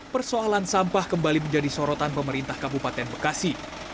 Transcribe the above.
persoalan sampah kembali menjadi sorotan pemerintah kabupaten bekasi